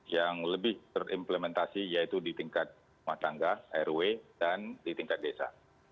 yang lebih terimplementasi yaitu di tingkat rumah tangga rw dan di tingkat desa